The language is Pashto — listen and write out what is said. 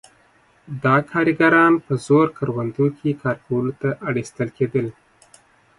دا کارګران په زور کروندو کې کار کولو ته اړ ایستل کېدل.